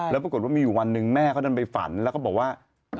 แล้วปรากฏว่ามีอยู่วันหนึ่งแม่เขาดันไปฝันแล้วก็บอกว่า